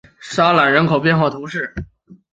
沙赖人口变化图示